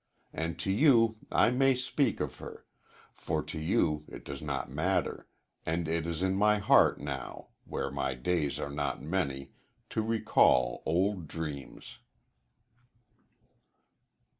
And to you I may speak of her, for to you it does not matter, and it is in my heart now, when my days are not many, to recall old dreams."